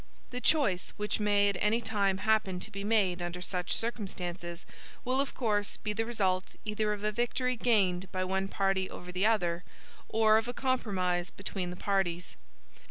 The choice which may at any time happen to be made under such circumstances, will of course be the result either of a victory gained by one party over the other, or of a compromise between the parties.